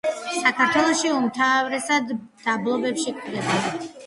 საქართველოში უმთავრესად დაბლობებში გვხვდება.